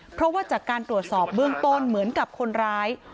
เพราะว่าจากการตรวจสอบเบื้องต้นเหมือนกับคนร้าย